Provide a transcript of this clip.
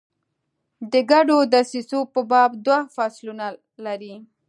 د ګډو دسیسو په باب دوه فصلونه لري.